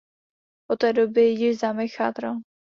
Od té doby již zámek chátral.